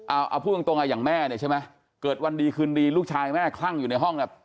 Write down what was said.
เอาเอาพูดตรงตรงอ่ะอย่างแม่เนี่ยใช่ไหมเกิดวันดีคืนดีลูกชายแม่คลั่งอยู่ในห้องอ่ะ